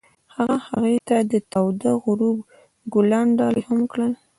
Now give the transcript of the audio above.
هغه هغې ته د تاوده غروب ګلان ډالۍ هم کړل.